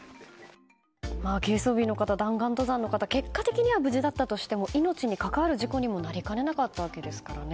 軽装備の方、弾丸登山の方結果的には無事だったとしても命に関わる事故にもなりかねなかったわけですからね。